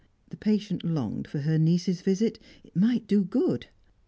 The patient longed for her niece's visit; it might do good.